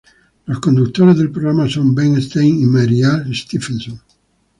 Los conductores del programa son Ben Stein y Mary Alice Stephenson.